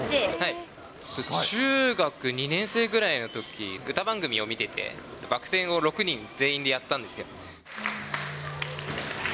中学２年生ぐらいのとき、歌番組を見てて、バック転を６人全員でやったんですよ。